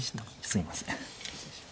すいません。